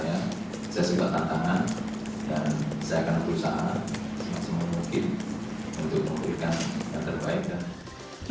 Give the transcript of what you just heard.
saya suka tantangan dan saya akan berusaha semangat mungkin untuk menggunakan yang terbaik